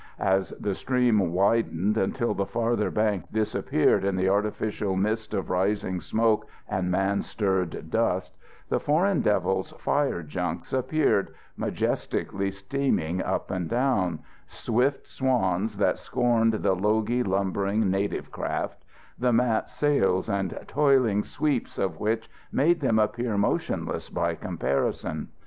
As the stream widened until the farther bank disappeared in the artificial mist of rising smoke and man stirred dust, the Foreign Devils' fire junks appeared, majestically steaming up and down swift swans that scorned the logy, lumbering native craft, the mat sails and toiling sweeps of which made them appear motionless by comparison.